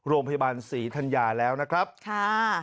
โรงพยาบาลศรีธัญญาแล้วนะครับค่ะ